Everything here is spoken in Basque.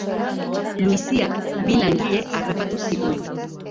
Luiziak bi langile harrapatu zituen.